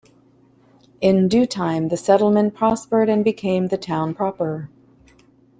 In due time the settlement prospered and became the town proper.